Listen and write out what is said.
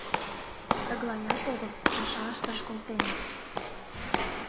Тыглаят огыл, паша ышташ колтеныт.